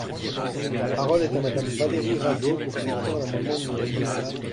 La parole est à Madame Valérie Rabault, pour soutenir l’amendement numéro douze.